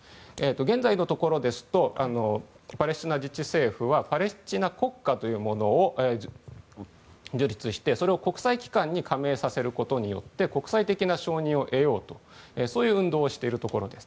現在のところですとパレスチナ自治政府はパレスチナ国家というものを樹立してそれを国際機関に加盟させることによって国際的な承認を得ようという運動をしているところです。